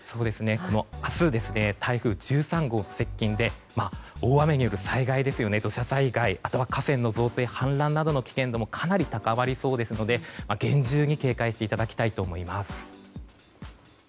明日、台風１３号の接近で大雨による災害土砂災害、あとは河川の増水氾濫などの危険度もかなり高まりそうですので厳重に警戒していただきたいと思います。